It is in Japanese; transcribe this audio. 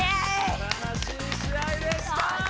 すばらしい試合でした！